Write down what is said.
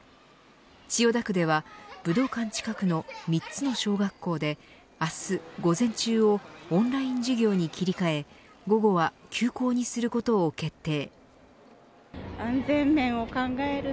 千代田区では武道館近くの３つの小学校で明日午前中をオンライン授業に切り替え午後は休校にすることを決定。